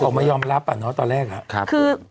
เขาออกมายอมรับอ่ะเนอะตอนแรกครับคือ